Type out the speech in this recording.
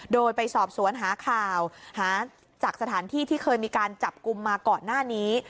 โดยไปสอบสวนหาข่าวหาจากสถานที่ที่เคยมีการจับกลุ่มมาก่อนหน้านี้